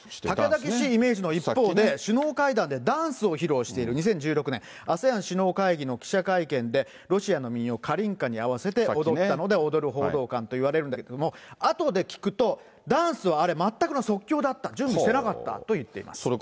猛々しいイメージの一方で、首脳会談でダンスを披露している、２０１６年、ＡＳＥＡＮ首脳会議の記者会見で、ロシアの民謡、カリンカに合わせて踊ったので踊る報道官といわれるんだけれども、あとで聞くと、ダンスはあれ、全くの即興だった、準備してなかったと言ってます。